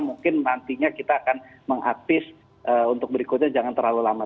mungkin nantinya kita akan mengaktif untuk berikutnya jangan terlalu lama